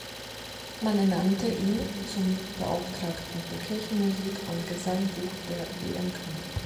Man ernannte ihn zum Beauftragten für Kirchenmusik und Gesangbuch der EmK.